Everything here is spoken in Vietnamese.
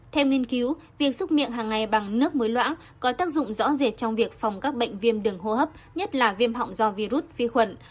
theo nghiên cứu việc xúc miệng hàng ngày bằng nước muối loãng có tác dụng rõ rệt trong việc phòng các bệnh viêm đường hô hấp nhất là viêm họng do virus vi khuẩn